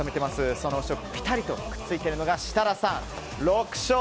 その後ろをぴたりとくっついているのが設楽さんハモ！